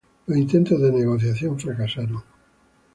Los intentos de negociación fracasaron.